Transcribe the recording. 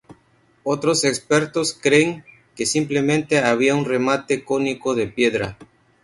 Otros expertos creen que simplemente había un remate cónico de piedra.